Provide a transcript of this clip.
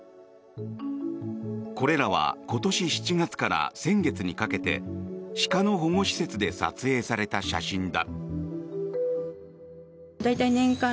これらは今年７月から先月にかけて鹿の保護施設で撮影された写真だ。